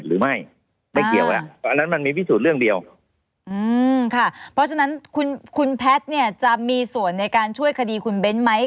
อืมค่ะเพราะฉะนั้นคุณแพทย์จะมีส่วนในการช่วยคดีคุณเบ้นได้ไหม